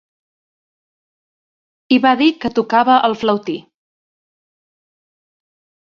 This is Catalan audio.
I va dir que tocava el flautí.